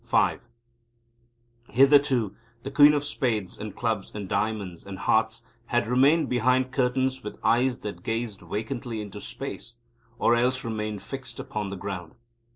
V Hitherto the Queens of Spades and Clubs and Diamonds and Hearts had remained behind curtains with eyes that gazed vacantly into space, or else remained fixed upon the ground.